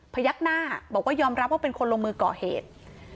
ยักหน้าบอกว่ายอมรับว่าเป็นคนลงมือก่อเหตุ